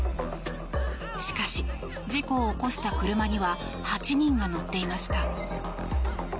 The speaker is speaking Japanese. しかし、事故を起こした車には８人が乗っていました。